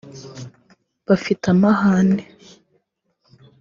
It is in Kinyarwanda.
bafite amahane